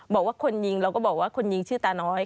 บอกว่าคนยิงเราก็บอกว่าคนยิงชื่อตาน้อย